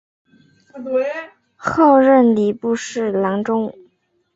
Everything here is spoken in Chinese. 后任礼部郎中。